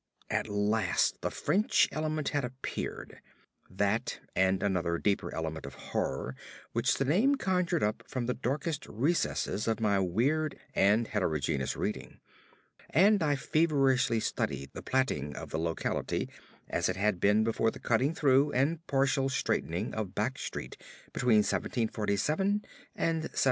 At last the French element had appeared that, and another deeper element of horror which the name conjured up from the darkest recesses of my weird and heterogeneous reading and I feverishly studied the platting of the locality as it had been before the cutting through and partial straightening of Back Street between 1747 and 1758.